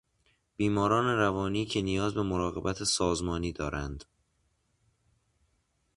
بیماران روانی که نیاز به مراقبت سازمانی دارند